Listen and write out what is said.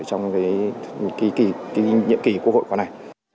trong cái nhiệm kỳ quốc hội qua này